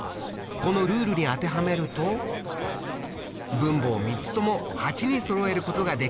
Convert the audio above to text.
このルールに当てはめると分母を３つとも８にそろえることができるってことですね。